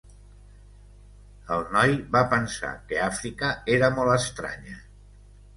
El noi va pensar que Àfrica era molt estranya.